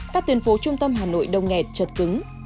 các tuyến phố trung tâm hà nội đông nghẹt chật cứng